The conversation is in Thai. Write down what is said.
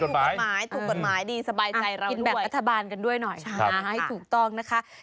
สุดต้องนะคะ